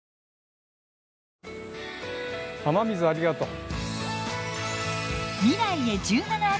雨水ありがとう。